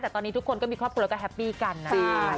แต่ตอนนี้ทุกคนก็มีครอบครัวแล้วก็แฮปปี้กันนะ